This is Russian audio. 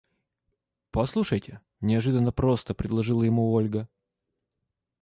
– Послушайте, – неожиданно просто предложила ему Ольга.